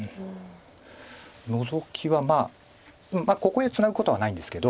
ノゾキはまあここへツナぐことはないんですけど。